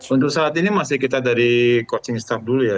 untuk saat ini masih kita dari coaching staff dulu ya